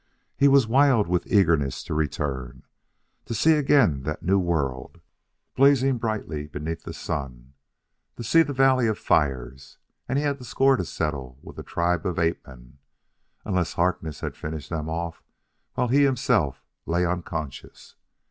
He was wild with eagerness to return to see again that new world, blazing brightly beneath the sun; to see the valley of fires and he had a score to settle with the tribe of ape men, unless Harkness had finished them off while he, himself, lay unconscious....